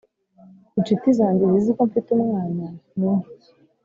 Incuti zanjye zizi ko mfite umwana ni nke